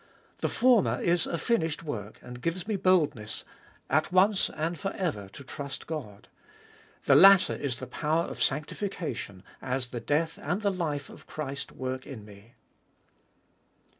The former is a finished work, and gives me boldness at once and for ever to trust God. The latter is the power of sanctification, as the death and the life of Christ work in me.